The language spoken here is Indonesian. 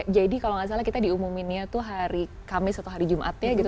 jadi kalau nggak salah kita diumuminnya tuh hari kamis atau hari jumatnya gitu